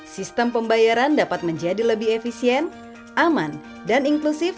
sistem pembayaran dapat menjadi lebih efisien aman dan inklusif